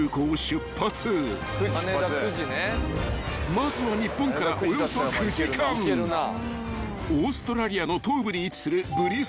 ［まずは日本からおよそ９時間オーストラリアの東部に位置するブリスベンへ］